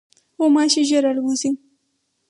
غوماشې ژر الوزي.